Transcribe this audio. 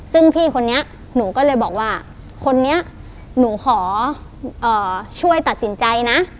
ซึ่งพี่คนนี้หนูก็เลยบอกว่าคนนี้หนูขอช่วยตัดสินใจนะ